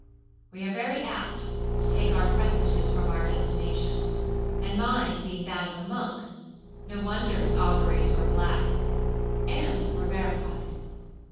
We are very apt to take our presages from our destination, and mine being that of a monk, no wonder its auguries were black,—and were verified.